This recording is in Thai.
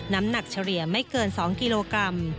น้ำหนักเฉลี่ยไม่เกิน๒กิโลกรัม